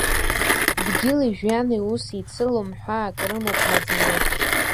Дгьыли-жәҩани ус еицылом, ҳәаак рымоуп маӡаны.